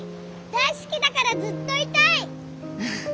大好きだからずっといたい！